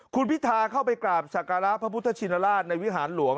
คุณพิธาเข้าไปกราบสักการะพระพุทธชินราชในวิหารหลวง